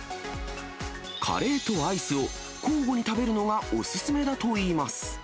カレーとアイスを交互に食べるのがお勧めだといいます。